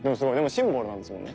シンボルなんですもんね。